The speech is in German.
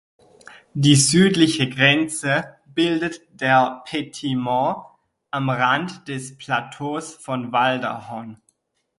Die südliche Grenze bildet der "Petit Mont" am Rand des Plateaus von Valdahon.